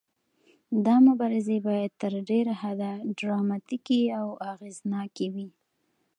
دا مبارزې باید تر ډیره حده ډراماتیکې او اغیزناکې وي.